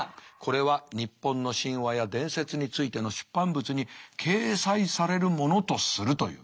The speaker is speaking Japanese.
「これは日本の神話や伝説についての出版物に掲載されるものとする」という。